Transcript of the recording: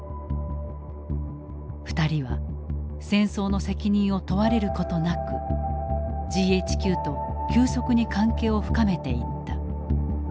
２人は戦争の責任を問われることなくＧＨＱと急速に関係を深めていった。